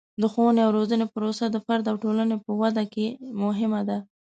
د ښوونې او روزنې پروسه د فرد او ټولنې په ودې کې مهمه ده.